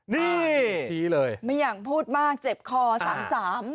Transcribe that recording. นี่ไม่อยากพูดมากเจ็บคอสาม